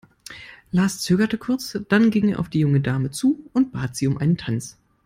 Lars zögerte kurz, dann ging er auf die junge Dame zu und bat sie um einen Tanz.